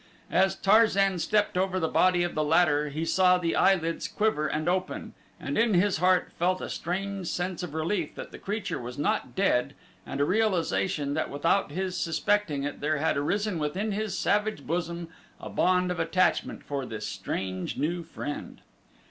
As Tarzan stepped over the body of the latter he saw the eyelids quiver and open, and in his heart he felt a strange sense of relief that the creature was not dead and a realization that without his suspecting it there had arisen within his savage bosom a bond of attachment for this strange new friend.